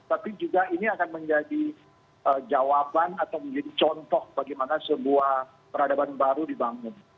tapi juga ini akan menjadi jawaban atau menjadi contoh bagaimana sebuah peradaban baru dibangun